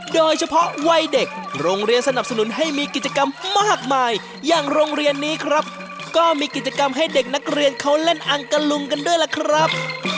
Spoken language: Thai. โดยเฉพาะวัยเด็กโรงเรียนสนับสนุนให้มีกิจกรรมมากมายอย่างโรงเรียนนี้ครับก็มีกิจกรรมให้เด็กนักเรียนเขาเล่นอังกะลุงกันด้วยล่ะครับ